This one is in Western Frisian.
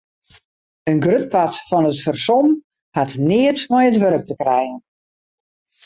In grut part fan it fersom hat neat mei it wurk te krijen.